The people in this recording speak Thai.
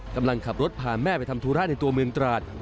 กำลังขับรถพาแม่ไปทำธุระในตัวเมืองตราด